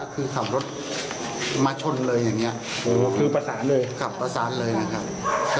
คือขับรถมาชนเลยอย่างนี้คือประสานเลยขับประสานเลยนะครับ